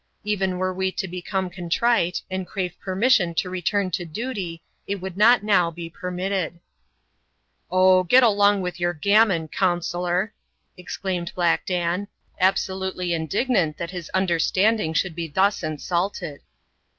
Even were we to become contrite, and crave permission to re turn to duty, it would not now be permitted, *^ Oh ! get along with your gammon, counsellor,^' exclaimed BladL Dan, absolutely indignant that his understanding should be thus insulted.